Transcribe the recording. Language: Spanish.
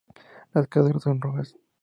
Las cazadoras son rojas.